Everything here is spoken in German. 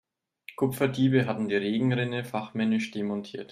Kupferdiebe hatten die Regenrinne fachmännisch demontiert.